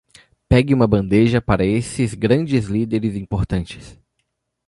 Pegue uma bandeja para esses grandes líderes importantes.